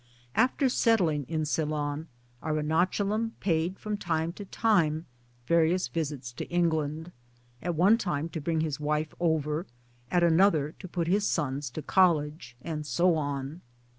After settling in Ceylon, Arunachalam paid from time to time various visits to England, at one time to bring his wife over, at another to put his sons to College, and so on.